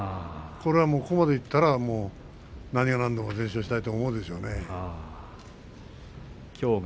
ここまでいったら何が何でも全勝したいと思うでしょうね。